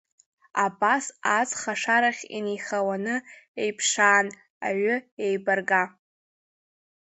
Абас, аҵх ашарахь инеихауаны еиԥшаан, аҩы еибарга, …